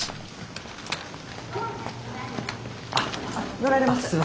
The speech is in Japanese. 乗られます？